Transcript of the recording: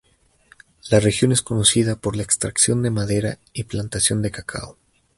La región es conocida por la extracción de madera y plantación de cacao.